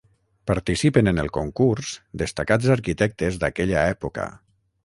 Participen en el concurs destacats arquitectes d'aquella època.